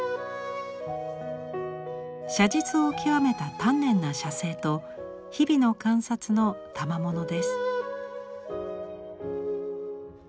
写実を極めた丹念な写生と日々の観察のたまものです。